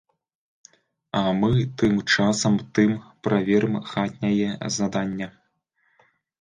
А мы тым часам тым праверым хатняе задання.